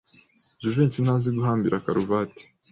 Jivency ntazi guhambira karuvati.